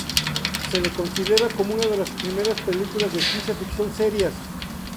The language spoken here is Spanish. Se lo considera como una de las primeras películas de ciencia ficción "serias".